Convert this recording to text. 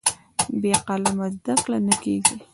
بې قلمه زده کړه نه کېږي.